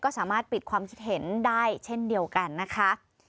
ก็สามารถปิดความคิดเห็นได้เช่นเดียวกันนะคะ